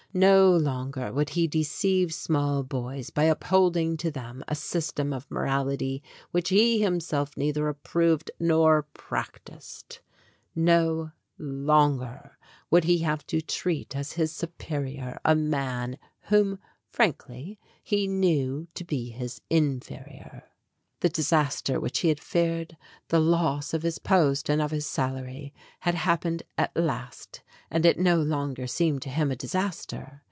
No longer would he deceive small boys by upholding to them a system of morality which he himself neither approved nor practised. No longer would be have to treat as his 16 STORIES WITHOUT TEARS superior a man whom, frankly, he knew to be his inferior. The disaster which he had feared the loss of his post and of his salary had happened at last, and it no longer seemed to him a disaster.